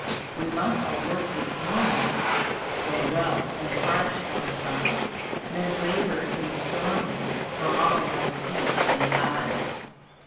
We must all work this morning, Though rough and harsh outside, Men labor in the storming For all must eat betide.